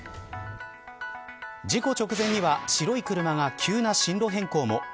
事故直前には、白い車が急な進路変更も。